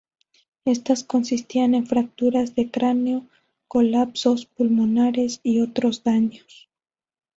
Estas consistían en fracturas de cráneo, colapsos pulmonares y otros daños.